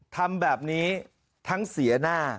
ทำแบบนี้ทั้งเสียหน้า